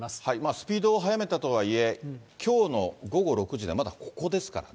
スピードを速めたとはいえ、きょうの午後６時でまだここですからね。